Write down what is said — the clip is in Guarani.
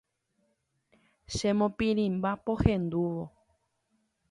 Chemopirĩmba pohendúvo.